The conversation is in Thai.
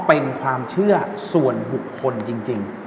เป็นความเชื่อส่วนบุคคลจริง